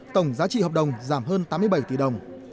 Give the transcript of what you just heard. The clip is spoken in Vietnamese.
tổng giá trị hợp đồng giảm hơn tám mươi bảy tỷ đồng